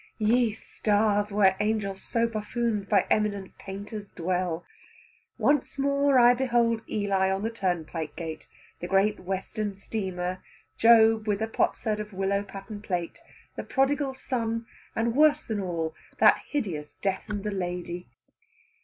Ye stars, where angels so buffooned by eminent painters dwell! Once more I behold Eli on the turnpike gate, the Great Western steamer, Job with a potsherd of willow pattern plate, the Prodigal Son, and worse than all, that hideous Death and the Lady.